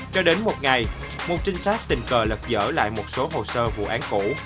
cho đến một ngày một trinh sát tình cờ lật dở lại một số hồ sơ vụ án cũ